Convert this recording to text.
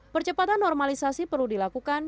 percepatan normalisasi perlu dilakukan